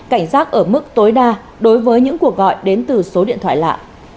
cảnh giác ở mức tối đa đối với những cuộc gọi đến từ số điện thoại lạ